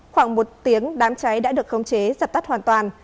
khoảng một tiếng đám cháy đã được không chế giặt tắt hoàn toàn